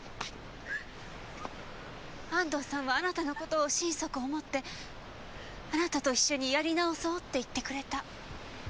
安藤さんはあなたのことを心底思ってあなたと一緒にやり直そうって言ってくれた。